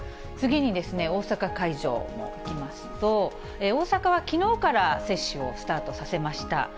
次に、大阪会場もいきますと、大阪はきのうから接種をスタートさせました。